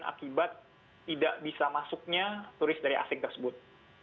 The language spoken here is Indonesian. akibat tidak bisa masuknya turis dari asing tersebut